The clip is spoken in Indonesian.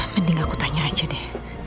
mending aku tanya aja deh